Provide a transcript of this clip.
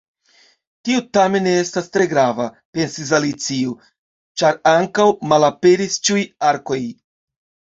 "Tio tamen ne estas tre grava," pensis Alicio, "ĉar ankaŭ malaperis ĉiuj arkoj."